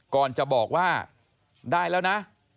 ก่อนจะบอกว่าได้แล้วนะ